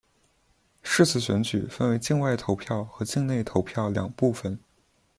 是次选举分为境外投票和境内投票两部分。